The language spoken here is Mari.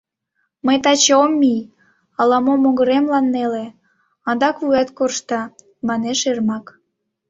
— Мый таче ом мий: ала-мо могыремлан неле, адак вуят коршта, — манеш Эрмак.